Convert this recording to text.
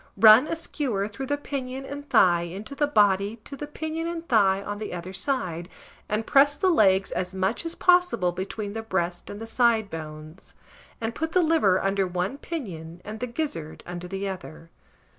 Run a skewer through the pinion and thigh into the body to the pinion and thigh on the other side, and press the legs as much as possible between the breast and the side bones, and put the liver under one pinion and the gizzard under the other.